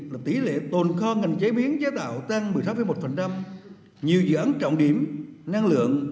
là tỷ lệ tồn kho ngành chế biến chế tạo tăng một mươi sáu một nhiều dự án trọng điểm năng lượng